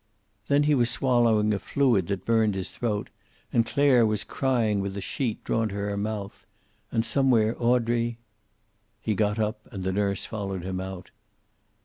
Then he was swallowing a fluid that burned his throat, and Clare was crying with the sheet drawn to her mouth, and somewhere Audrey He got up, and the nurse followed him out.